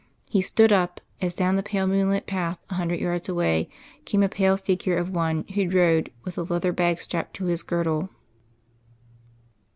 He stood up, as down the pale moonlit path a hundred yards away came a pale figure of one who rode, with a leather bag strapped to his girdle.